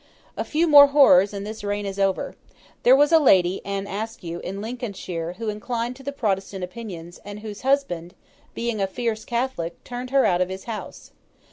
A few more horrors, and this reign is over. There was a lady, Anne Askew, in Lincolnshire, who inclined to the Protestant opinions, and whose husband being a fierce Catholic, turned her out of his house.